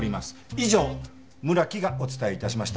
以上村木がお伝え致しました。